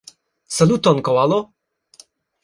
Saluton, koalo!